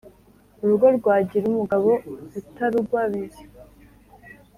urugo rwagira umugabo utarugwabiza.